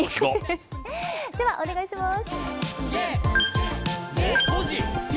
では、お願いします。